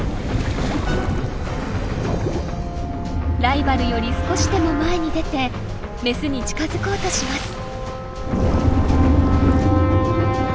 ライバルより少しでも前に出てメスに近づこうとします。